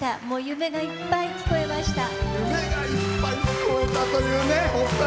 夢がいっぱい聞こえました。